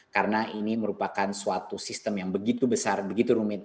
karena ini merupakan suatu sistem yang begitu besar begitu rumit